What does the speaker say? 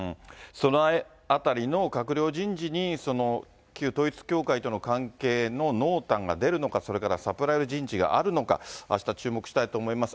そのあたりの閣僚人事に、旧統一教会との関係の濃淡が出るのか、それからサプライズ人事があるのか、あした注目したいと思います。